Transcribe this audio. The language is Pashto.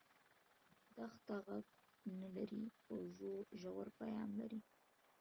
دښته غږ نه لري خو ژور پیغام لري.